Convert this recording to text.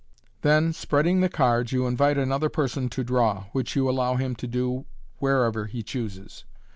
Then, spreading the cards, you invite another person to draw, which you allow him to do wherever he chooses.